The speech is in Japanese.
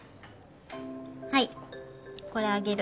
はいこれあげる。